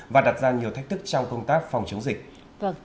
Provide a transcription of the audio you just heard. và đặt ra nhiều thách thức trong công tác phòng chống dịch